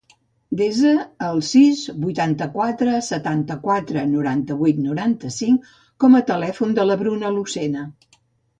Desa el sis, vuitanta-quatre, setanta-quatre, noranta-vuit, noranta-cinc com a telèfon de la Bruna Lucena.